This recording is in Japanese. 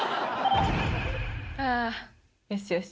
あー、よしよし。